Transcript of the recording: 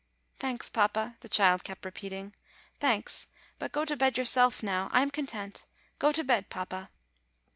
"Thanks, papa," the child kept repeating; "thanks; but go to bed yourself now; I am content; go to bed, papa."